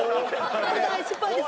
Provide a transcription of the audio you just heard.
失敗です。